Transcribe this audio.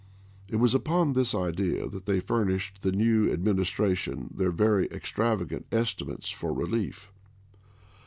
It was upon this idea that they furnished the new Administration their very extravagant estimates for relief.